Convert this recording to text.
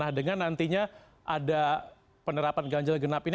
nah dengan nantinya ada penerapan ganjil genap ini